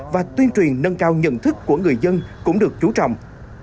và tuyên truyền nâng cao nhận thức của người dân cũng được chú trọng